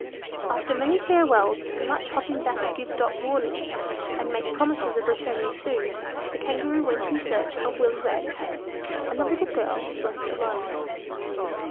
After many farewells, and much hopping back to give Dot warnings, and make promises of returning soon, the Kangaroo went in search of Willy Wagtail; and the little girl was left all alone.